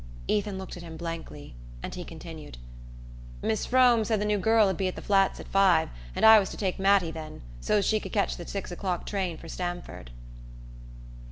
Ethan looked at him blankly, and he continued: "Mis' Frome said the new girl'd be at the Flats at five, and I was to take Mattie then, so's 't she could ketch the six o'clock train for Stamford."